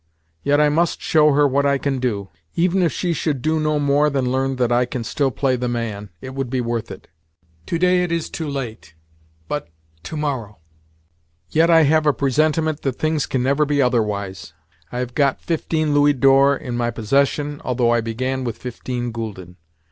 Yet I must show her what I can do. Even if she should do no more than learn that I can still play the man, it would be worth it. Today it is too late, but tomorrow. Yet I have a presentiment that things can never be otherwise. I have got fifteen louis d'or in my possession, although I began with fifteen gülden.